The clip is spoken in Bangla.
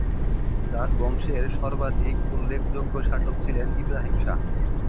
রাজবংশের সর্বাধিক উল্লেখযোগ্য শাসক ছিলেন ইব্রাহিম শাহ।